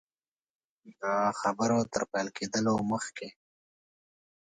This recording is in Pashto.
د خبرو تر پیل کېدلو مخکي.